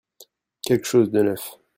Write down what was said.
Quelque chose de neuf.